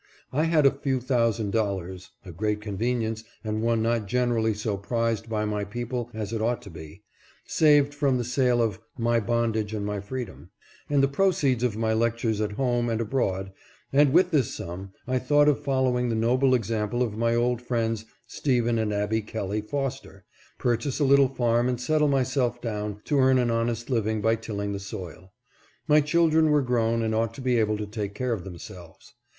I had a few thousand dollars (a great con venience, and one not generally so highly prized by my people as it ought to be) saved from the sale of " My Bondage and My Freedom," and the proceeds of my lec tures at home and abroad, and with this sum I thought of following the noble example of my old friends Stephen and Abby Kelley Foster, purchase a little farm and settle myself down to earn an honest living by tilling the soil. My children were grown and ought to be able to take care of themselves.